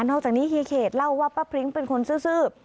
อกจากนี้เฮียเขตเล่าว่าป้าพริ้งเป็นคนซื้อ